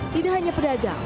tidak hanya pedagang